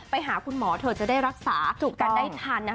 ไปหาคุณหมอเถอะจะได้รักษาถูกกันได้ทัน